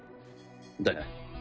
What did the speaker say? だが。